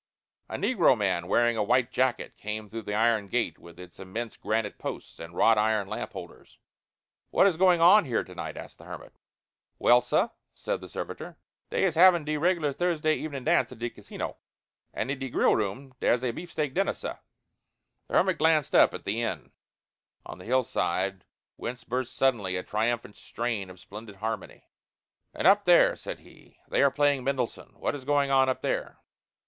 A negro man wearing a white jacket came through the iron gate, with its immense granite posts and wrought iron lamp holders. "What is going on here to night?" asked the hermit. "Well, sah," said the servitor, "dey is having de reg'lar Thursday evenin' dance in de casino. And in de grill room dere's a beefsteak dinner, sah." The hermit glanced up at the inn on the hillside whence burst suddenly a triumphant strain of splendid harmony. "And up there," said he, "they are playing Mendelssohn what is going on up there?"